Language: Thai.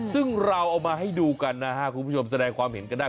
ซึ่งเราเอามาให้ดูกันนะฮะคุณผู้ชมแสดงความเห็นกันได้